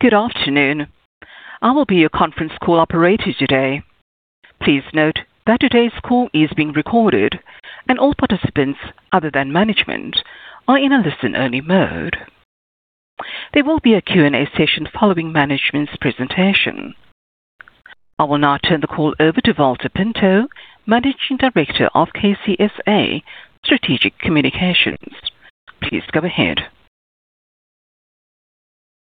Good afternoon. I will be your conference call operator today. Please note that today's call is being recorded and all participants other than management are in a listen-only mode. There will be a Q&A session following management's presentation. I will now turn the call over to Valter Pinto, Managing Director of KCSA Strategic Communications. Please go ahead.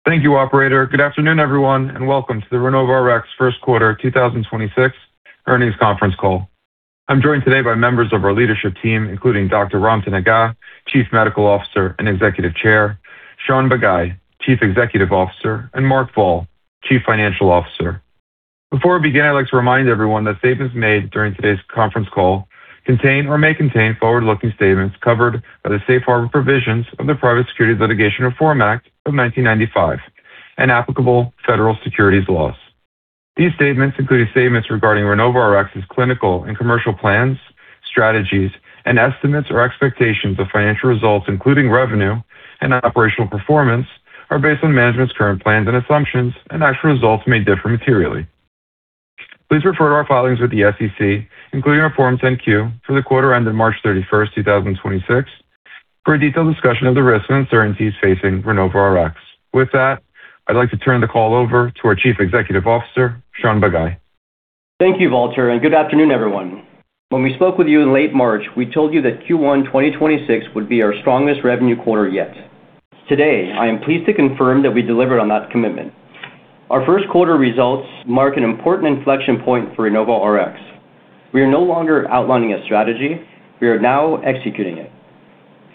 Thank you, operator. Good afternoon, everyone, and welcome to the RenovoRx First Quarter 2026 Earnings Conference Call. I'm joined today by members of our leadership team, including Dr. Ramtin Agah, Chief Medical Officer and Executive Chair, Shaun Bagai, Chief Executive Officer, and Mark Voll, Chief Financial Officer. Before we begin, I'd like to remind everyone that statements made during today's conference call contain or may contain forward-looking statements covered by the safe harbor provisions of the Private Securities Litigation Reform Act of 1995 and applicable federal securities laws. These statements, including statements regarding RenovoRx's clinical and commercial plans, strategies, and estimates or expectations of financial results, including revenue and operational performance, are based on management's current plans and assumptions, and actual results may differ materially. Please refer to our filings with the SEC, including our Form 10-Q for the quarter ended March 31, 2026, for a detailed discussion of the risks and uncertainties facing RenovoRx. With that, I'd like to turn the call over to our Chief Executive Officer, Shaun Bagai. Thank you, Valter, and good afternoon, everyone. When we spoke with you in late March, we told you that Q1 2026 would be our strongest revenue quarter yet. Today, I am pleased to confirm that we delivered on that commitment. Our first quarter results mark an important inflection point for RenovoRx. We are no longer outlining a strategy. We are now executing it.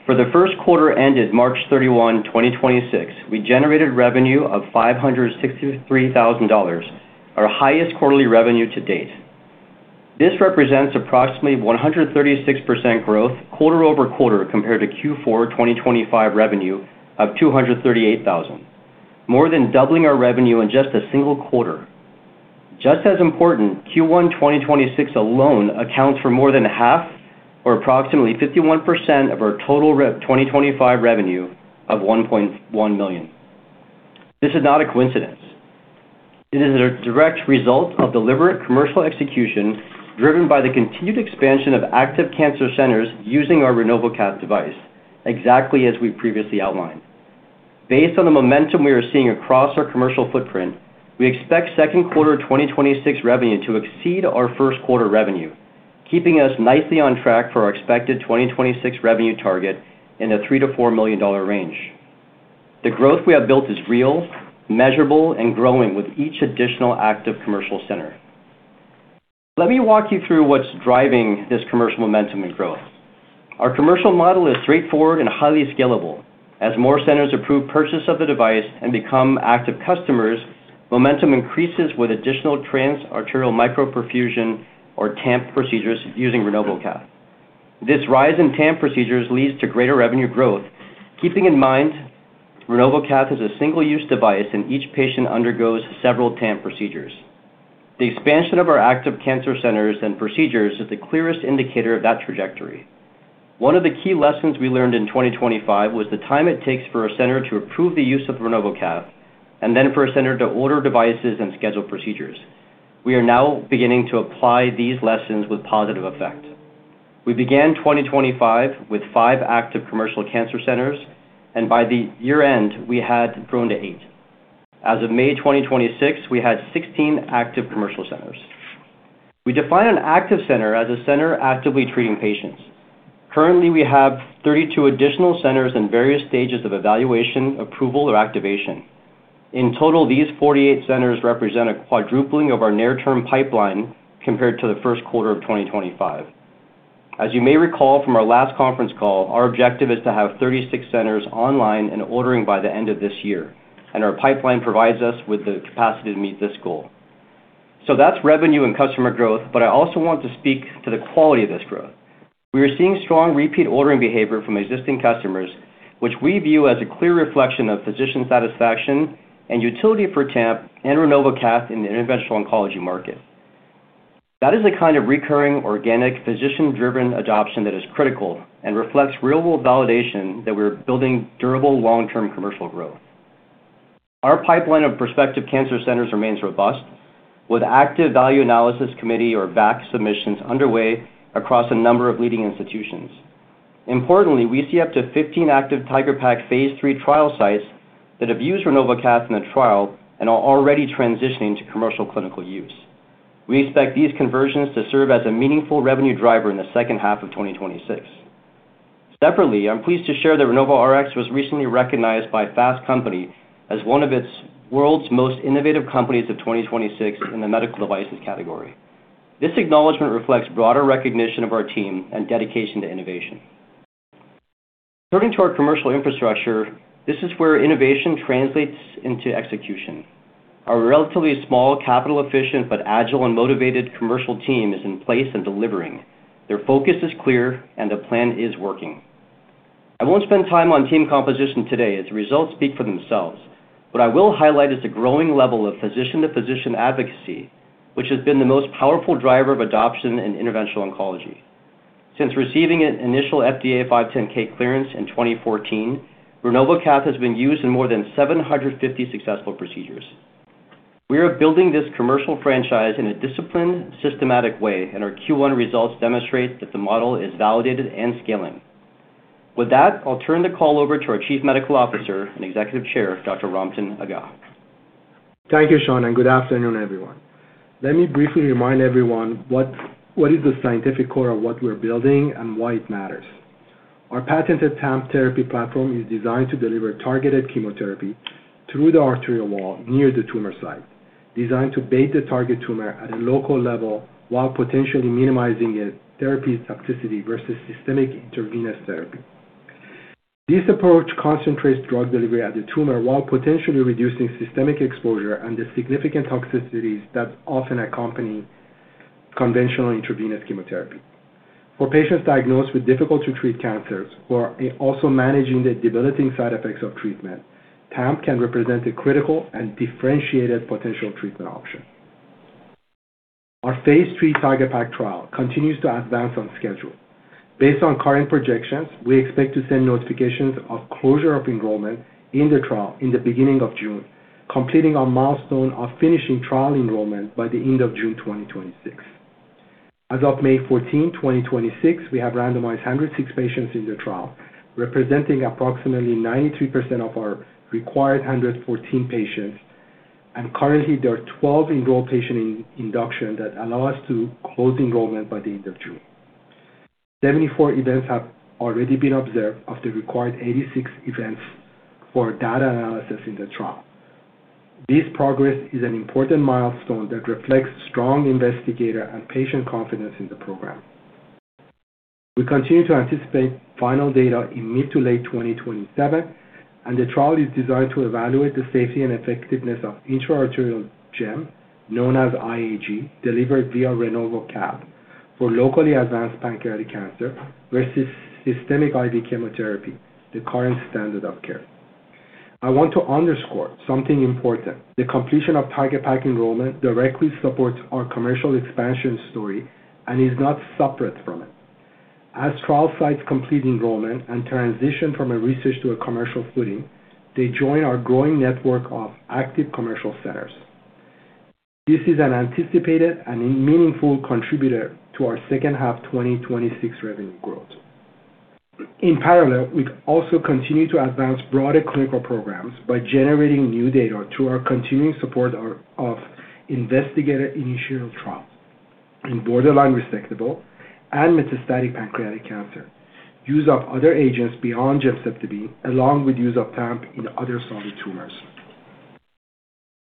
For the first quarter ended March 31, 2026, we generated revenue of $563,000, our highest quarterly revenue to date. This represents approximately 136% growth quarter-over-quarter compared to Q4 2025 revenue of $238,000, more than doubling our revenue in just a single quarter. Just as important, Q1 2026 alone accounts for more than half or approximately 51% of our total 2025 revenue of $1.1 million. This is not a coincidence. It is a direct result of deliberate commercial execution driven by the continued expansion of active cancer centers using our RenovoCath device, exactly as we previously outlined. Based on the momentum we are seeing across our commercial footprint, we expect second quarter 2026 revenue to exceed our first quarter revenue, keeping us nicely on track for our expected 2026 revenue target in the $3 million-$4 million range. The growth we have built is real, measurable, and growing with each additional active commercial center. Let me walk you through what's driving this commercial momentum and growth. Our commercial model is straightforward and highly scalable. As more centers approve purchase of the device and become active customers, momentum increases with additional transarterial microperfusion or TAMP procedures using RenovoCath. This rise in TAMP procedures leads to greater revenue growth. Keeping in mind, RenovoCath is a single-use device, and each patient undergoes several TAMP procedures. The expansion of our active cancer centers and procedures is the clearest indicator of that trajectory. One of the key lessons we learned in 2025 was the time it takes for a center to approve the use of RenovoCath and then for a center to order devices and schedule procedures. We are now beginning to apply these lessons with positive effect. We began 2025 with five active commercial cancer centers, and by the year-end, we had grown to eight. As of May 2026, we had 16 active commercial centers. We define an active center as a center actively treating patients. Currently, we have 32 additional centers in various stages of evaluation, approval, or activation. In total, these 48 centers represent a quadrupling of our near-term pipeline compared to the first quarter of 2025. As you may recall from our last conference call, our objective is to have 36 centers online and ordering by the end of this year. Our pipeline provides us with the capacity to meet this goal. That's revenue and customer growth. I also want to speak to the quality of this growth. We are seeing strong repeat ordering behavior from existing customers, which we view as a clear reflection of physician satisfaction and utility for TAMP and RenovoCath in the interventional oncology market. That is a kind of recurring organic physician-driven adoption that is critical and reflects real-world validation that we're building durable long-term commercial growth. Our pipeline of prospective cancer centers remains robust, with active value analysis committee or VAC submissions underway across a number of leading institutions. Importantly, we see up to 15 active TIGeR-PaC phase III trial sites that have used RenovoCath in the trial and are already transitioning to commercial clinical use. We expect these conversions to serve as a meaningful revenue driver in the second half of 2026. Separately, I'm pleased to share that RenovoRx was recently recognized by Fast Company as one of its world's most innovative companies of 2026 in the medical devices category. This acknowledgment reflects broader recognition of our team and dedication to innovation. Turning to our commercial infrastructure, this is where innovation translates into execution. Our relatively small capital efficient but agile and motivated commercial team is in place and delivering. Their focus is clear, and the plan is working. I won't spend time on team composition today, as results speak for themselves, what I will highlight is the growing level of physician-to-physician advocacy, which has been the most powerful driver of adoption in interventional oncology. Since receiving an initial FDA 510(k) clearance in 2014, RenovoCath has been used in more than 750 successful procedures. We are building this commercial franchise in a disciplined, systematic way, and our Q1 results demonstrate that the model is validated and scaling. With that, I'll turn the call over to our Chief Medical Officer and Executive Chair, Dr. Ramtin Agah. Thank you, Shaun. Good afternoon, everyone. Let me briefly remind everyone what is the scientific core of what we're building and why it matters. Our patented TAMP therapy platform is designed to deliver targeted chemotherapy through the arterial wall near the tumor site, designed to bait the target tumor at a local level while potentially minimizing a therapy toxicity versus systemic intravenous therapy. This approach concentrates drug delivery at the tumor while potentially reducing systemic exposure and the significant toxicities that often accompany conventional intravenous chemotherapy. For patients diagnosed with difficult to treat cancers who are also managing the debilitating side effects of treatment, TAMP can represent a critical and differentiated potential treatment option. Our phase III TIGeR-PaC trial continues to advance on schedule. Based on current projections, we expect to send notifications of closure of enrollment in the trial in the beginning of June, completing our milestone of finishing trial enrollment by the end of June 2026. As of May 14, 2026, we have randomized 106 patients in the trial, representing approximately 93% of our required 114 patients, and currently there are 12 enrolled patient in induction that allow us to close enrollment by the end of June. 74 events have already been observed of the required 86 events for data analysis in the trial. This progress is an important milestone that reflects strong investigator and patient confidence in the program. We continue to anticipate final data in mid to late 2027, and the trial is designed to evaluate the safety and effectiveness of intra-arterial gemcitabine, known as IAG, delivered via RenovoCath for Locally Advanced Pancreatic Cancer versus systemic IV chemotherapy, the current standard of care. I want to underscore something important. The completion of TIGeR-PaC enrollment directly supports our commercial expansion story and is not separate from it. As trial sites complete enrollment and transition from a research to a commercial footing, they join our growing network of active commercial centers. This is an anticipated and meaningful contributor to our second half 2026 revenue growth. In parallel, we also continue to advance broader clinical programs by generating new data through our continuing support of investigator-initiated trials in borderline resectable and metastatic pancreatic cancer, use of other agents beyond gemcitabine, along with use of TAMP in other solid tumors.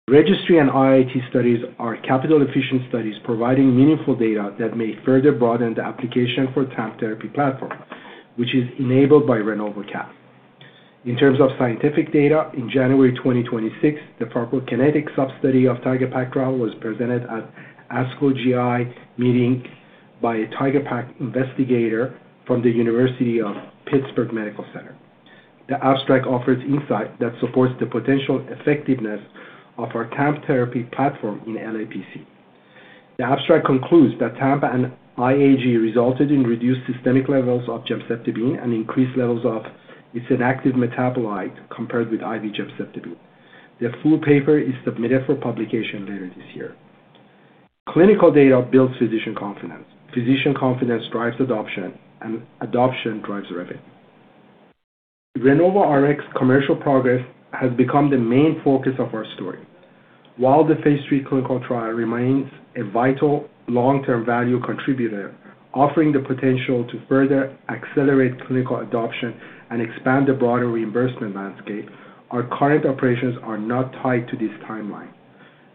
Registry and IIT studies are capital-efficient studies providing meaningful data that may further broaden the application for TAMP therapy platform, which is enabled by RenovoCath. In terms of scientific data, in January 2026, the pharmacokinetic substudy of TIGeR-PaC trial was presented at ASCO GI meeting by a TIGeR-PaC investigator from the University of Pittsburgh Medical Center. The abstract offers insight that supports the potential effectiveness of our TAMP therapy platform in LAPC. The abstract concludes that TAMP and IAG resulted in reduced systemic levels of gemcitabine and increased levels of its active metabolite compared with IV gemcitabine. The full paper is submitted for publication later this year. Clinical data builds physician confidence. Physician confidence drives adoption, and adoption drives revenue. RenovoRx commercial progress has become the main focus of our story. While the phase III clinical trial remains a vital long-term value contributor, offering the potential to further accelerate clinical adoption and expand the broader reimbursement landscape, our current operations are not tied to this timeline.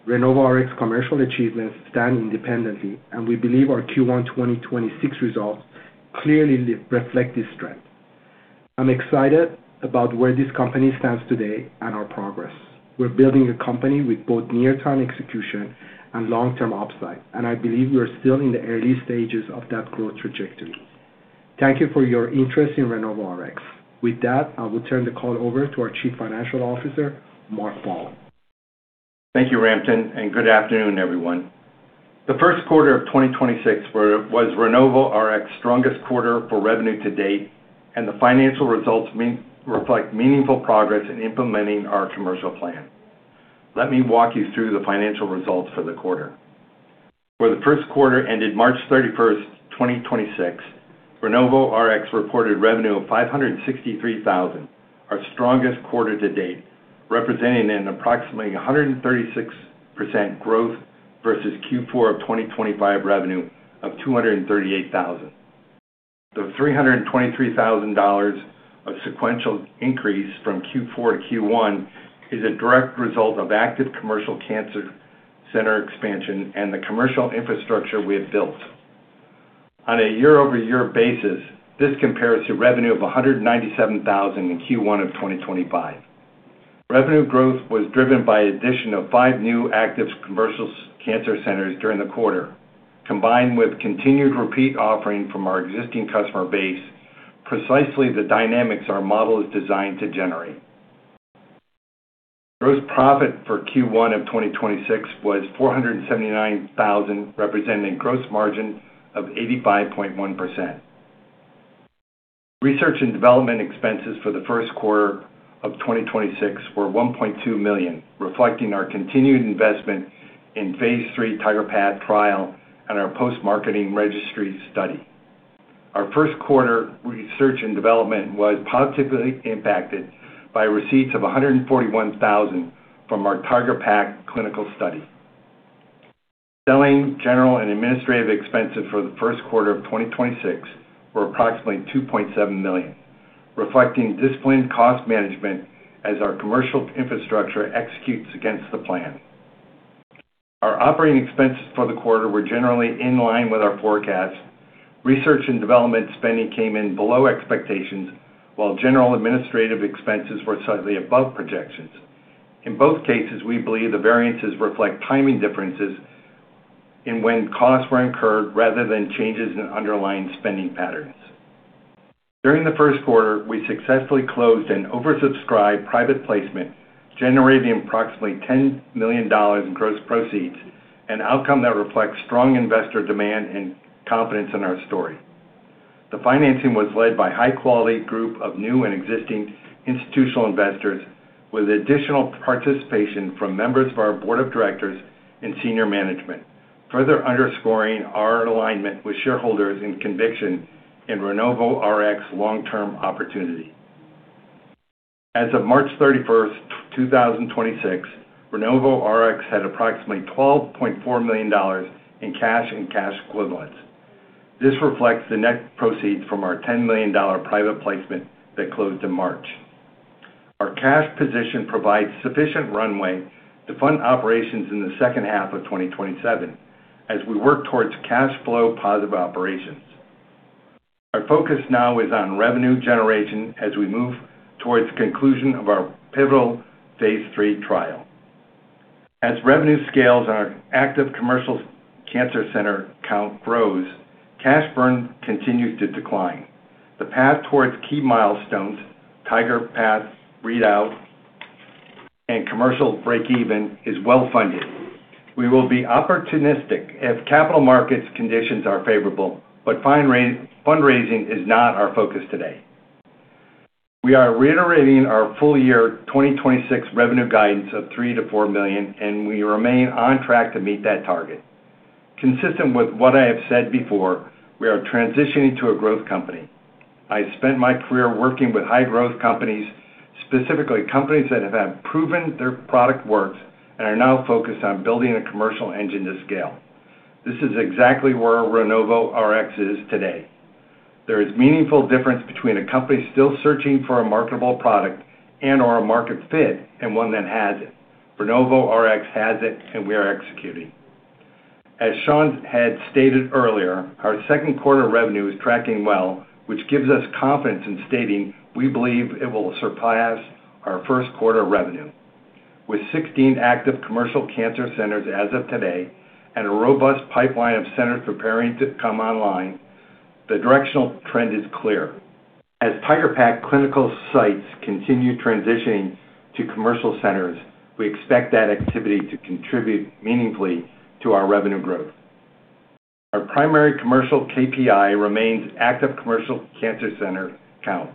RenovoRx commercial achievements stand independently, and we believe our Q1 2026 results clearly reflect this strength. I'm excited about where this company stands today and our progress. We're building a company with both near-term execution and long-term upside, and I believe we are still in the early stages of that growth trajectory. Thank you for your interest in RenovoRx. With that, I will turn the call over to our Chief Financial Officer, Mark Voll. Thank you, Ramtin, and good afternoon, everyone. The first quarter of 2026 was RenovoRx strongest quarter for revenue to date, and the financial results reflect meaningful progress in implementing our commercial plan. Let me walk you through the financial results for the quarter. For the first quarter ended March 31, 2026, RenovoRx reported revenue of $563,000, our strongest quarter to date, representing an approximately 136% growth versus Q4 of 2025 revenue of $238,000. The $323,000 of sequential increase from Q4 to Q1 is a direct result of active commercial cancer center expansion and the commercial infrastructure we have built. On a year-over-year basis, this compares to revenue of $197,000 in Q1 of 2025. Revenue growth was driven by addition of five new active commercial cancer centers during the quarter, combined with continued repeat offering from our existing customer base, precisely the dynamics our model is designed to generate. Gross profit for Q1 of 2026 was $479,000, representing gross margin of 85.1%. Research and development expenses for the first quarter of 2026 were $1.2 million, reflecting our continued investment in phase III TIGeR-PaC trial and our post-marketing registry study. Our first quarter research and development was positively impacted by receipts of $141,000 from our TIGeR-PaC clinical study. Selling, general and administrative expenses for the first quarter of 2026 were approximately $2.7 million, reflecting disciplined cost management as our commercial infrastructure executes against the plan. Our operating expenses for the quarter were generally in line with our forecast. Research and development spending came in below expectations, while general administrative expenses were slightly above projections. In both cases, we believe the variances reflect timing differences in when costs were incurred rather than changes in underlying spending patterns. During the first quarter, we successfully closed an oversubscribed private placement, generating approximately $10 million in gross proceeds, an outcome that reflects strong investor demand and confidence in our story. The financing was led by a high-quality group of new and existing institutional investors with additional participation from members of our board of directors and senior management, further underscoring our alignment with shareholders and conviction in RenovoRx's long-term opportunity. As of March 31, 2026, RenovoRx had approximately $12.4 million in cash and cash equivalents. This reflects the net proceeds from our $10 million private placement that closed in March. Our cash position provides sufficient runway to fund operations in the second half of 2027 as we work towards cash flow positive operations. Our focus now is on revenue generation as we move towards conclusion of our pivotal phase III trial. As revenue scales and our active commercial cancer center count grows, cash burn continues to decline. The path towards key milestones, TIGeR-PaC readout, and commercial breakeven is well funded. We will be opportunistic if capital markets conditions are favorable, but fundraising is not our focus today. We are reiterating our full year 2026 revenue guidance of $3 million-$4 million, and we remain on track to meet that target. Consistent with what I have said before, we are transitioning to a growth company. I spent my career working with high growth companies, specifically companies that have proven their product works and are now focused on building a commercial engine to scale. This is exactly where RenovoRx is today. There is meaningful difference between a company still searching for a marketable product and or a market fit and one that has it. RenovoRx has it, and we are executing. As Shaun had stated earlier, our second quarter revenue is tracking well, which gives us confidence in stating we believe it will surpass our first quarter revenue. With 16 active commercial cancer centers as of today and a robust pipeline of centers preparing to come online, the directional trend is clear. As TIGeR-PaC clinical sites continue transitioning to commercial centers, we expect that activity to contribute meaningfully to our revenue growth. Our primary commercial KPI remains active commercial cancer center count.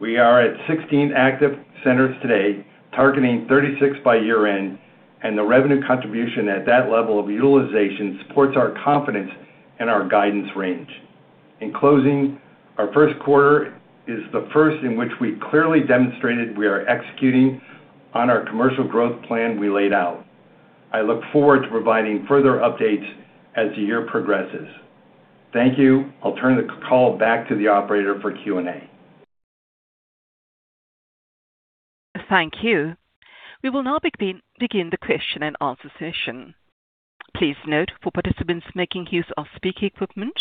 We are at 16 active centers today, targeting 36 by year-end, and the revenue contribution at that level of utilization supports our confidence in our guidance range. In closing, our first quarter is the first in which we clearly demonstrated we are executing on our commercial growth plan we laid out. I look forward to providing further updates as the year progresses. Thank you. I'll turn the call back to the operator for Q&A. Thank you. We will now begin the question and answer session. Please note for participants making use of speaker equipment,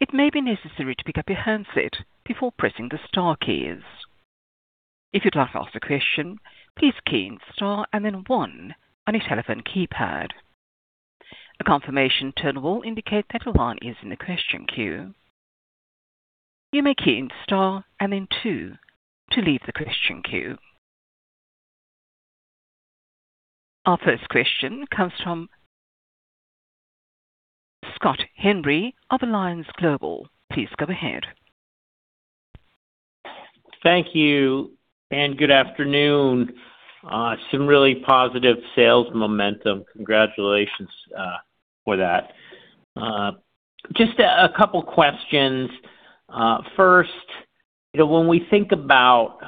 it may be necessary to pick up your handset before pressing the star keys. If you'd like to ask a question, please key in star and then one on your telephone keypad. A confirmation tone will indicate that one is in the question queue. You may key in star and then two to leave the question queue. Our first question comes from Scott Henry of Alliance Global Partners. Please go ahead. Thank you and good afternoon. Some really positive sales momentum. Congratulations for that. Just a couple questions. First, you know, when we think about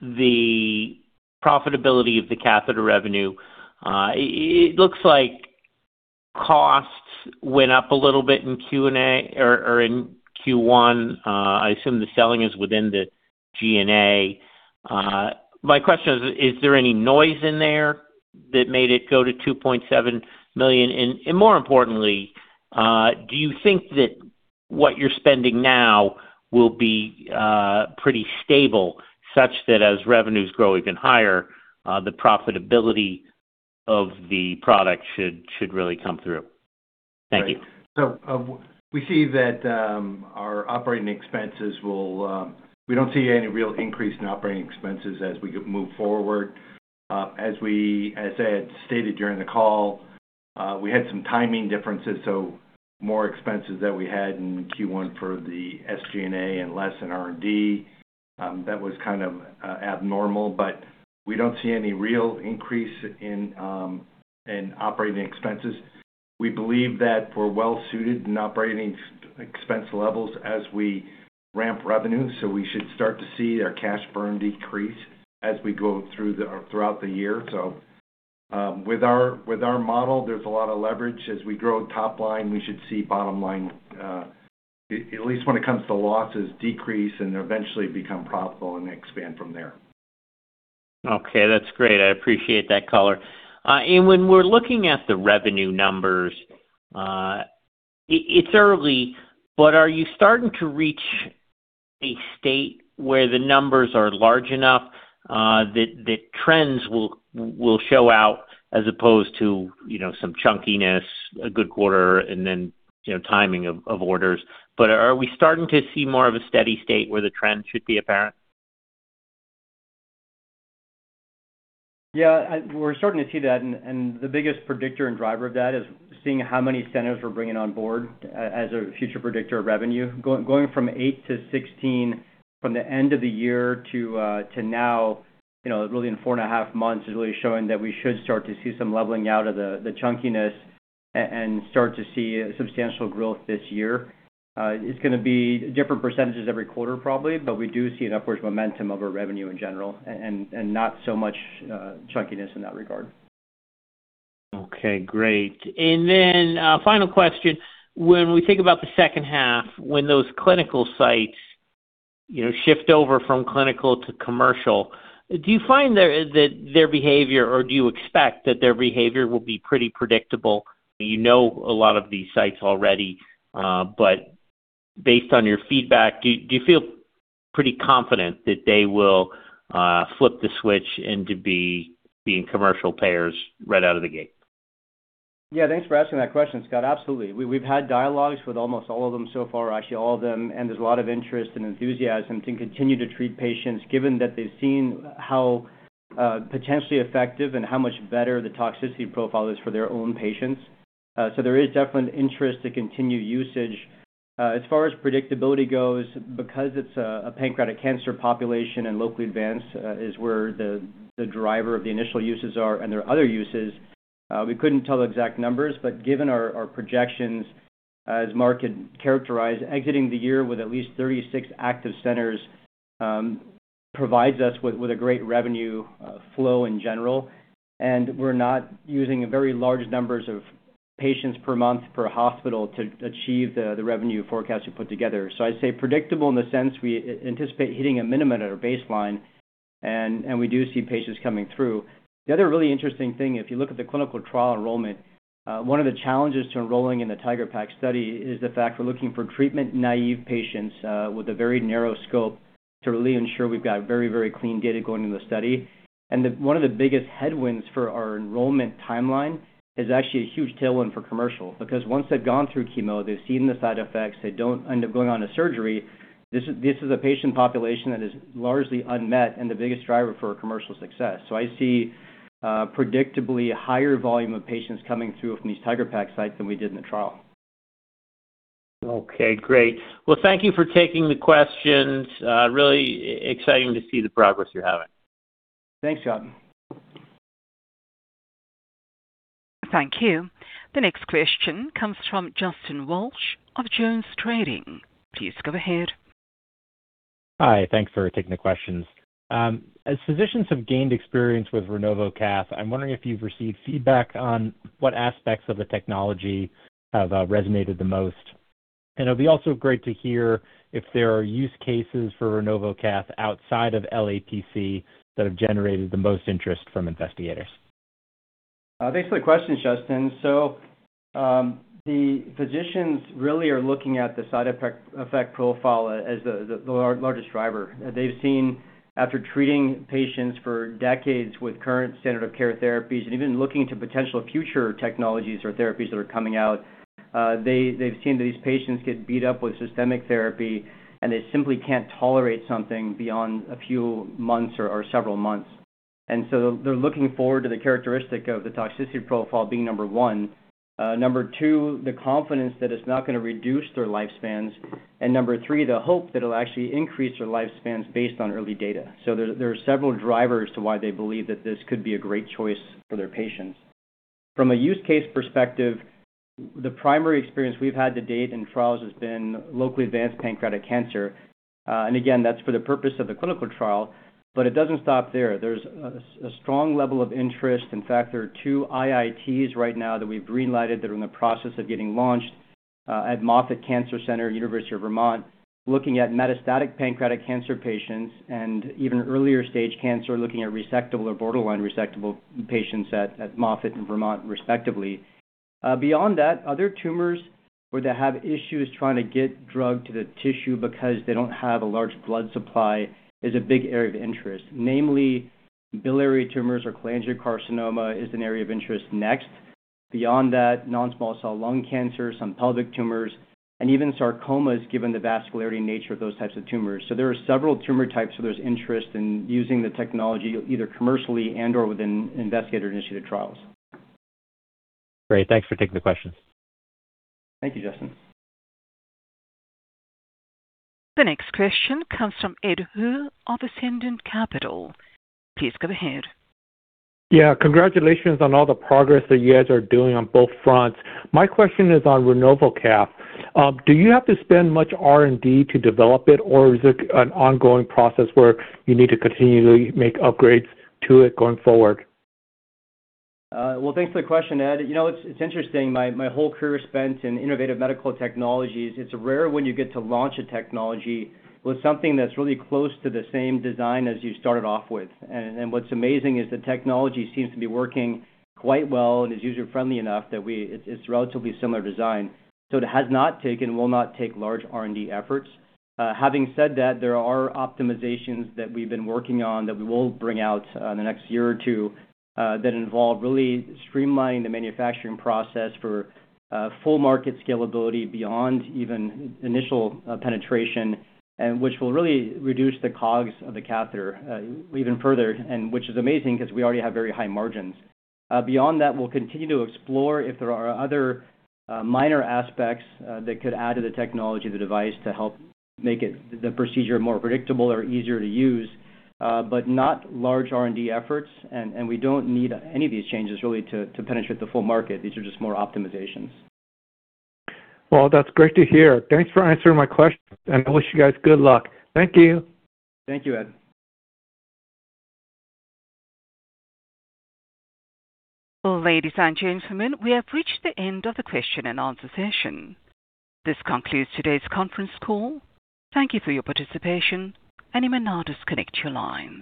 the profitability of the catheter revenue, it looks like costs went up a little bit in Q1. I assume the selling is within the G&A. My question is there any noise in there that made it go to $2.7 million? More importantly, do you think that what you're spending now will be pretty stable, such that as revenues grow even higher, the profitability of the product should really come through? Thank you. We don't see any real increase in operating expenses as we move forward. As I'd stated during the call, we had some timing differences, so more expenses that we had in Q1 for the SG&A and less in R&D, that was kind of abnormal. We don't see any real increase in operating expenses. We believe that we're well suited in operating expense levels as we ramp revenue, so we should start to see our cash burn decrease as we go throughout the year. With our model, there's a lot of leverage. As we grow top line, we should see bottom line, at least when it comes to losses, decrease and eventually become profitable and expand from there. Okay, that's great. I appreciate that color. When we're looking at the revenue numbers, it's early, but are you starting to reach a state where the numbers are large enough, that trends will show out as opposed to, you know, some chunkiness, a good quarter and then, you know, timing of orders? Are we starting to see more of a steady state where the trend should be apparent? We're starting to see that, and the biggest predictor and driver of that is seeing how many centers we're bringing on board as a future predictor of revenue. Going from 8-16 from the end of the year to now, you know, really in 4.5 months is really showing that we should start to see some leveling out of the chunkiness and start to see a substantial growth this year. It's gonna be different percentages every quarter probably, but we do see an upwards momentum of our revenue in general and not so much chunkiness in that regard. Okay, great. Final question. When we think about the second half, when those clinical sites, you know, shift over from clinical to commercial, do you expect that their behavior will be pretty predictable? You know a lot of these sites already, based on your feedback, do you feel pretty confident that they will flip the switch and to be being commercial payers right out of the gate? Thanks for asking that question, Scott. Absolutely. We've had dialogues with almost all of them so far, actually all of them. There's a lot of interest and enthusiasm to continue to treat patients given that they've seen how potentially effective and how much better the toxicity profile is for their own patients. There is definitely an interest to continue usage. As far as predictability goes, because it's a pancreatic cancer population and locally advanced is where the driver of the initial uses are and their other uses, we couldn't tell the exact numbers. Given our projections, as Mark had characterized, exiting the year with at least 36 active centers, provides us with a great revenue flow in general. We're not using very large numbers of patients per month per hospital to achieve the revenue forecast we put together. I'd say predictable in the sense we anticipate hitting a minimum at our baseline and we do see patients coming through. The other really interesting thing, if you look at the clinical trial enrollment, one of the challenges to enrolling in the TIGeR-PaC study is the fact we're looking for treatment-naive patients with a very narrow scope to really ensure we've got very clean data going into the study. The one of the biggest headwinds for our enrollment timeline is actually a huge tailwind for commercial, because once they've gone through chemo, they've seen the side effects, they don't end up going on to surgery, this is a patient population that is largely unmet and the biggest driver for our commercial success. I see predictably a higher volume of patients coming through from these TIGeR-PaC sites than we did in the trial. Okay, great. Well, thank you for taking the questions. really exciting to see the progress you're having. Thanks, Scott. Thank you. The next question comes from Justin Walsh of JonesTrading. Please go ahead. Hi. Thanks for taking the questions. As physicians have gained experience with RenovoCath, I'm wondering if you've received feedback on what aspects of the technology have resonated the most. It'll be also great to hear if there are use cases for RenovoCath outside of LAPC that have generated the most interest from investigators. Thanks for the question, Justin. The physicians really are looking at the side effect profile as the largest driver. They've seen after treating patients for decades with current standard of care therapies and even looking to potential future technologies or therapies that are coming out, they've seen that these patients get beat up with systemic therapy, and they simply can't tolerate something beyond a few months or several months. They're looking forward to the characteristic of the toxicity profile being number one. Number two, the confidence that it's not gonna reduce their lifespans. Number three, the hope that it'll actually increase their lifespans based on early data. There are several drivers to why they believe that this could be a great choice for their patients. From a use case perspective, the primary experience we've had to date in trials has been Locally Advanced Pancreatic Cancer. Again, that's for the purpose of the clinical trial, but it doesn't stop there. There's a strong level of interest. In fact, there are two IITs right now that we've greenlighted that are in the process of getting launched at Moffitt Cancer Center, University of Vermont, looking at metastatic pancreatic cancer patients and even earlier stage cancer, looking at resectable or borderline resectable patients at Moffitt and Vermont respectively. Beyond that, other tumors where they have issues trying to get drug to the tissue because they don't have a large blood supply is a big area of interest. Namely, biliary tumors or cholangiocarcinoma is an area of interest next. Beyond that, non-small cell lung cancer, some pelvic tumors, and even sarcomas, given the vascularity nature of those types of tumors. There are several tumor types where there's interest in using the technology either commercially and/or within investigator-initiated trials. Great. Thanks for taking the question. Thank you, Justin. The next question comes from Ed Woo of Ascendiant Capital. Please go ahead. Yeah, congratulations on all the progress that you guys are doing on both fronts. My question is on RenovoCath. Do you have to spend much R&D to develop it, or is it an ongoing process where you need to continually make upgrades to it going forward? Well, thanks for the question, Ed. You know, it's interesting. My, my whole career spent in innovative medical technologies, it's rare when you get to launch a technology with something that's really close to the same design as you started off with. What's amazing is the technology seems to be working quite well and is user-friendly enough that it's relatively similar design. It has not taken, will not take large R&D efforts. Having said that, there are optimizations that we've been working on that we will bring out in the next year or two that involve really streamlining the manufacturing process for full market scalability beyond even initial penetration and which will really reduce the COGS of the catheter even further, and which is amazing 'cause we already have very high margins. Beyond that, we'll continue to explore if there are other minor aspects that could add to the technology of the device to help make the procedure more predictable or easier to use, but not large R&D efforts. We don't need any of these changes really to penetrate the full market. These are just more optimizations. Well, that's great to hear. Thanks for answering my question, and I wish you guys good luck. Thank you. Thank you, Ed. Ladies and gentlemen, we have reached the end of the question and answer session. This concludes today's conference call. Thank you for your participation. Anyone now disconnect your line.